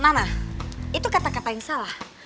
nana itu kata kata yang salah